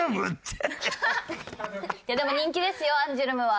いやでも人気ですよアンジュルムは。